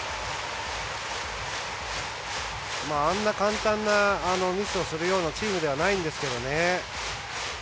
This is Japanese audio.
あんな簡単なミスをするようなチームではないんですけどね。